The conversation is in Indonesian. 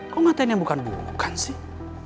kok ngatain yang bukan bukan sih